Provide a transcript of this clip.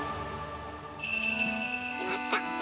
きました！